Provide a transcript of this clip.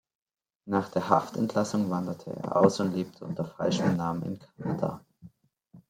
Nach der Haftentlassung wanderte er aus und lebte unter falschem Namen in Kanada.